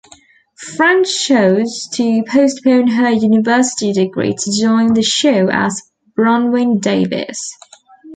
Friend chose to postpone her university degree to join the show as Bronwyn Davies.